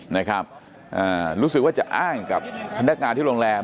นะครับอ่ารู้สึกว่าจะอ้างกับพนักงานที่โรงแรม